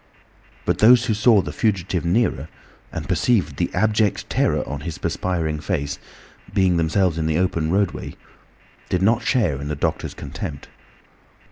But those who saw the fugitive nearer, and perceived the abject terror on his perspiring face, being themselves in the open roadway, did not share in the doctor's contempt.